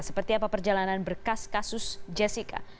seperti apa perjalanan berkas kasus jessica